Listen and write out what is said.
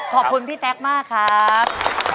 ขอบคุณพี่แจ๊คมากครับ